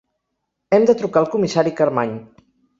Hem de trucar al comissari Carmany.